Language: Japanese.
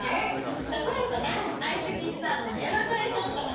例えば相席スタートの山添さんとか。